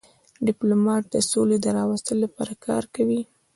ډيپلومات د سولي د راوستلو لپاره کار کوي.